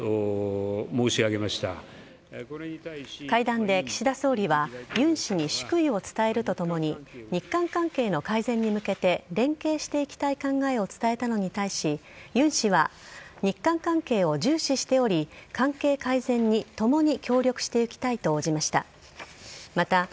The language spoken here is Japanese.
会談で岸田総理は尹氏に祝意を伝えるとともに日韓関係の改善に向けて連携していきたい考えを伝えたのに対し尹氏は、日韓関係を重視しており関係改善に共に協力していきたいと応じました。